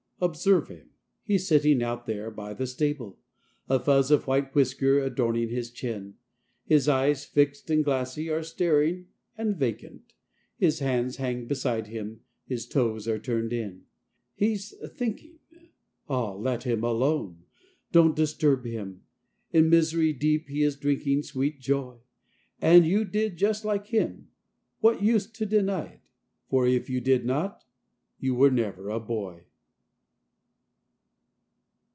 Observe him. He's sitting out there by the stable; a fuzz of white whisker adorning his chin; His eyes, fixed and glassy, are staring and vacant; his hands hang beside him; his toes are turned in. He's thinking. Ah, let him alone! Don't disturb him; in misery deep he is drinking sweet joy; And you did just like him—what use to deny it? For if you did not, you were never a boy.